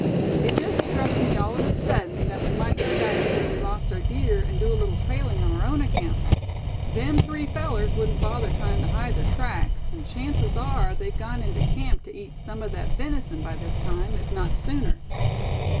It just struck me all of a sudden that we might go back to where we lost our deer, and do a little trailing on our own account. Them three fellers wouldn't bother trying to hide their tracks, and chances are they've gone into camp to eat some of that venison by this time, if not sooner."